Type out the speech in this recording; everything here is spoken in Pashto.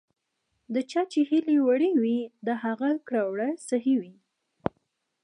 د چا چې هیلې وړې وي، د هغه کړه ـ وړه صحیح وي .